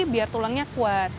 biar tulangnya kuat